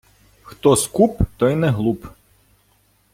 Хто скуп, той не глуп.